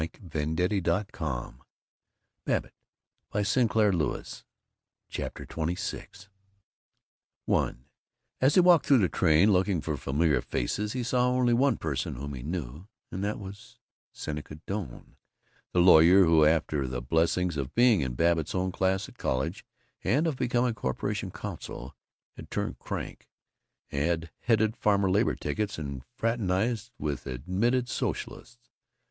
he vowed, and he tried to make it valiant. CHAPTER XXVI I As he walked through the train, looking for familiar faces, he saw only one person whom he knew, and that was Seneca Doane, the lawyer who, after the blessings of being in Babbitt's own class at college and of becoming a corporation counsel, had turned crank, had headed farmer labor tickets and fraternized with admitted socialists.